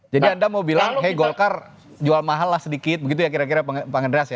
jadi anda mau bilang hey golkar jual mahal lah sedikit begitu ya kira kira pak ngedras ya